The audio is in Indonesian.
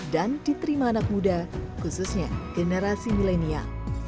diterima anak muda khususnya generasi milenial